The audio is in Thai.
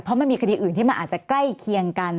เพราะมันมีคดีอื่นที่มันอาจจะใกล้เคียงกัน